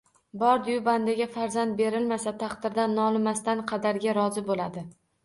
Bordi-yu bandaga farzand berilmasa, taqdirdan nolimasdan qadarga rozi bo‘ladi.